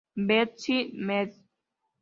Bethesda, Md.